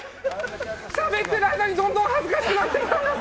しゃべってる間にどんどん恥ずかしくなってきたんです！